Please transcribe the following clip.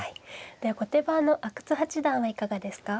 では後手番の阿久津八段はいかがですか。